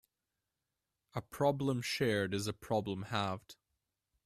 A problem shared is a problem halved.